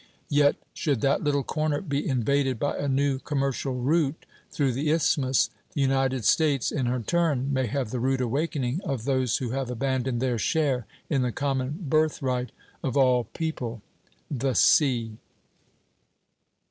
Yet should that little corner be invaded by a new commercial route through the Isthmus, the United States in her turn may have the rude awakening of those who have abandoned their share in the common birthright of all people, the sea.